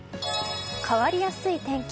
変わりやすい天気。